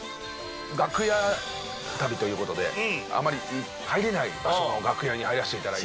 楽屋旅ということで、あんまり入れない場所の楽屋に入らせていただいて。